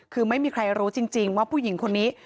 คือไม่มีใครรู้จริงว่าผู้หญิงคนนี้